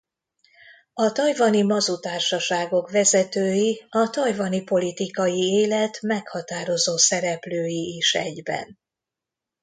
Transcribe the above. A tajvani Mazu-társaságok vezetői a tajvani politikai élet meghatározó szereplői is egyben.